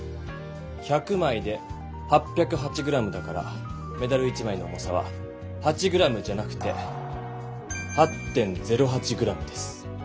１００枚で８０８ｇだからメダル１枚の重さは８ｇじゃなくて８．０８ｇです。